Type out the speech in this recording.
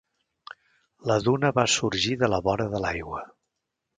La duna va sorgir de la vora de l'aigua.